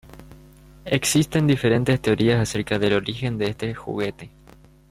Existen diferentes teorías acerca del origen de este juguete.